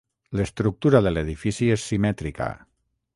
L'estructura de l'edifici és simètrica.